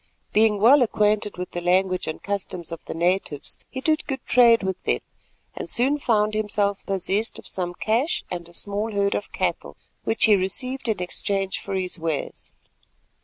Being well acquainted with the language and customs of the natives, he did good trade with them, and soon found himself possessed of some cash and a small herd of cattle, which he received in exchange for his wares.